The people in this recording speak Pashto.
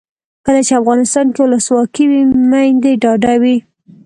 کله چې افغانستان کې ولسواکي وي میندې ډاډه وي.